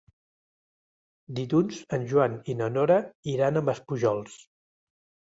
Dilluns en Joan i na Nora iran a Maspujols.